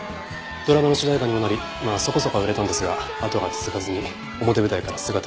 ドラマの主題歌にもなりまあそこそこは売れたんですがあとが続かずに表舞台からは姿を消しました。